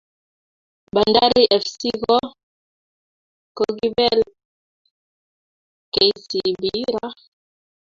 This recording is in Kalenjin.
Bandari fc ko kokibel kcb raa